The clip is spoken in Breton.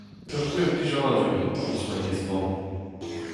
Ur gwir blijadur eo komz ma yezh vamm.